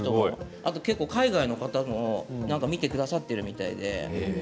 あと海外の方も見てくださってるみたいで。